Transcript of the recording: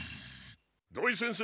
・土井先生！